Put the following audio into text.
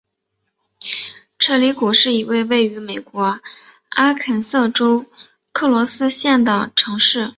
彻里谷是一个位于美国阿肯色州克罗斯县的城市。